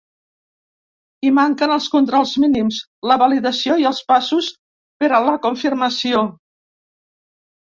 Hi manquen els controls mínims, la validació i els passos per a la confirmació.